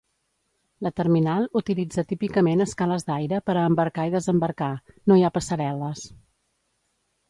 La terminal utilitza típicament escales d'aire per a embarcar i desembarcar; no hi ha passarel·les.